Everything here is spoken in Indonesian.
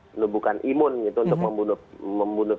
menubuhkan imun gitu untuk membunuh